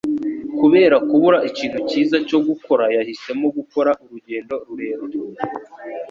Kubera kubura ikintu cyiza cyo gukora, yahisemo gukora urugendo rurerure.